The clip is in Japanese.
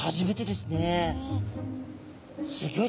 すギョい